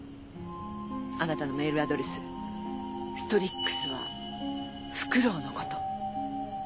あなたのメールアドレス「ｓｔｒｉｘ」はフクロウのこと。